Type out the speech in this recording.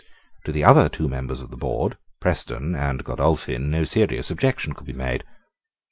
To the other two members of this board, Preston and Godolphin, no serious objection could be made.